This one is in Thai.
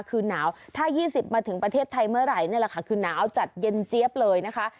คือหนาวถ้า๒๐มาถึงประเทศไทยเมื่อไหร่นี่แหละค่ะคือหนาวจัดเย็นเจี๊ยบเลยนะคะ